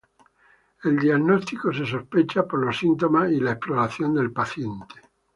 El diagnóstico se sospecha por los síntomas y la exploración del paciente.